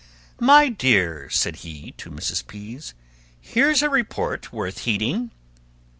"My dear," said he to Mrs. Pease, "Here's a report worth heeding."